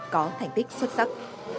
có thành tích xuất sắc